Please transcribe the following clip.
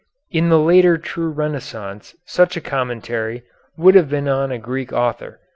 In the later true Renaissance such a commentary would have been on a Greek author.